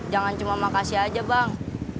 jangan cuma makasih aja bang